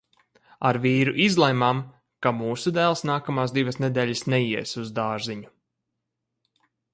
Ar vīru izlēmām, ka mūsu dēls nākamās divas nedēļas neies uz dārziņu.